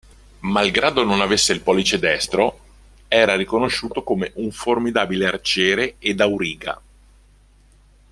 Malgrado non avesse il pollice destro, era riconosciuto come un formidabile arciere ed auriga.